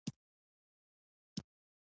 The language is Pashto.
دا سمه ده چې موږ څو لسیزې جګړې لرلې.